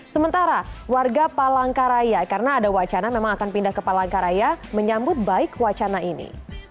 sementara warga palangkaraya karena ada wacana memang akan pindah ke palangkaraya menyambut baik wacana ini